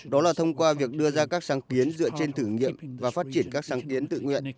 đó là thông qua việc đưa ra các sáng kiến dựa trên thử nghiệm và phát triển các sáng kiến tự nguyện